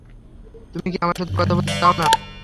তুমি কি আমার সাথে কথা বলতে চাও না?